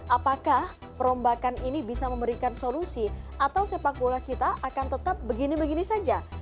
apakah perombakan ini bisa memberikan solusi atau sepak bola kita akan tetap begini begini saja